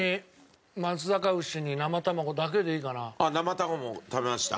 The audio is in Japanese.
生卵も食べました？